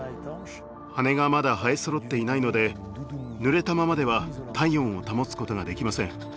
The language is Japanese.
羽がまだ生えそろっていないのでぬれたままでは体温を保つことができません。